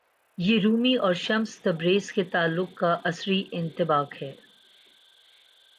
یہ رومی اور Shams Tabriz کے تعلق کا عصری انطباق ہے۔